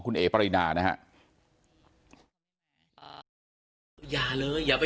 คุณเอ๋ปรินานะฮะ